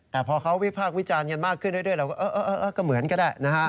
แต่พอเขาวิพากษ์วิจารณ์อย่างมากขึ้นเราก็เหมือนก็ได้